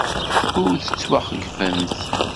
Ur tettwaxeyybemt.